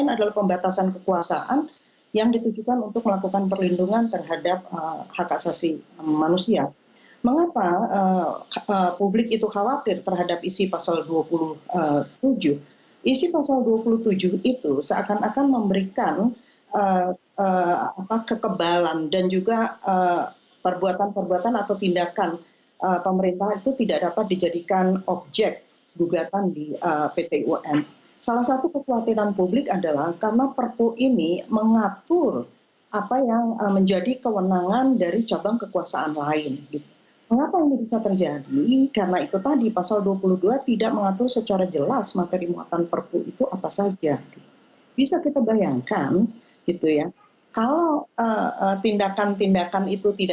namun ada beberapa hal yang perlu kita